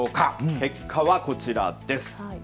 結果はこちらです。